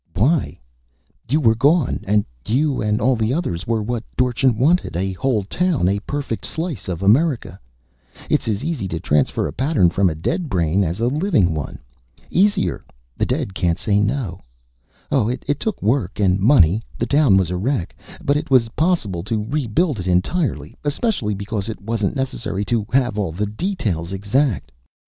"Why? You were gone. And you and all the others were what Dorchin wanted a whole town, a perfect slice of America. It's as easy to transfer a pattern from a dead brain as a living one. Easier the dead can't say no. Oh, it took work and money the town was a wreck but it was possible to rebuild it entirely, especially because it wasn't necessary to have all the details exact.